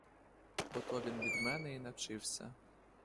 Бо то він від мене й навчився.